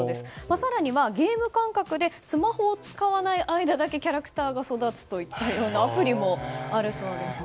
更にはゲーム感覚でスマホを使わない間だけキャラクターが育つというアプリもあるそうですね。